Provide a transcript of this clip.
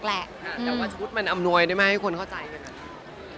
แต่ว่าชุดมันอำนวยได้ไหมให้คนเข้าใจกัน